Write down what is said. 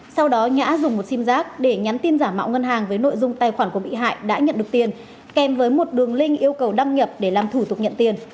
sau đó nhã dùng một sim giác để nhắn tin giả mạo ngân hàng với nội dung tài khoản của bị hại đã nhận được tiền kèm với một đường link yêu cầu đăng nhập để làm thủ tục nhận tiền